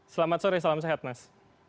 selamat sore salam sehat mas